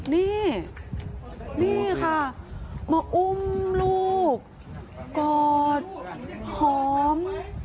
นี่นี่ค่ะมาอุ้มลูกกอดหอม